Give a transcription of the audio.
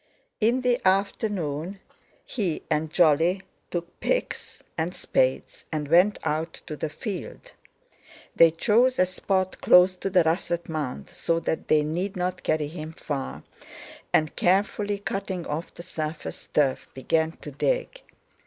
In the afternoon he and Jolly took picks and spades and went out to the field. They chose a spot close to the russet mound, so that they need not carry him far, and, carefully cutting off the surface turf, began to dig.